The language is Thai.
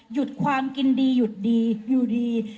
หยุดความกินดีหยุดดีอยู่ดี